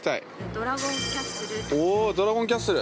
◆ドラゴンキャッスル。